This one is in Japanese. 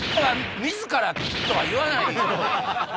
自らとは言わないよね。